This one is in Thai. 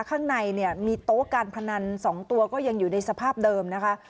ข้างในเนี่ยมีโต๊ะการพนัน๒ตัวก็ยังอยู่ในสภาพเดิมนะคะ